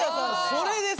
それです。